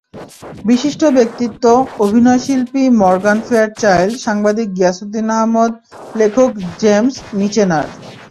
বিশিষ্ট ব্যক্তিত্ব—অভিনয়শিল্পী Morgan Fairchild, সাংবাদিক গিয়াসুদ্দিন আহমেদ, লেখক জেমস মিচেনার।